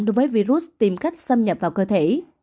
đối với virus tìm cách xâm nhập vào cơ thể